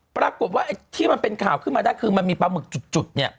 ปรากฏว่าไอ้ที่มันเป็นข่าวขึ้นมาได้คือมันมีปลาหมึกจุดเนี่ย